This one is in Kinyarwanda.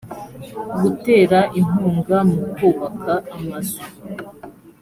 gutera inkunga mu kubaka amazu